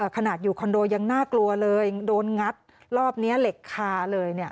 ขนาดอยู่คอนโดยังน่ากลัวเลยโดนงัดรอบนี้เหล็กคาเลยเนี่ย